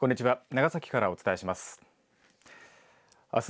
長崎からお伝えします。